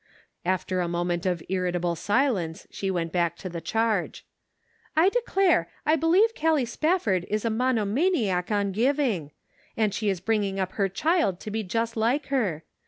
After a moment of irritable si lence she went back to the charge :" I declare I believe Gallic Spafford is a monomaniac on giving ; and she is bringing up her child to be just like her.